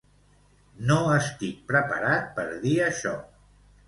No estic preparat per dir això.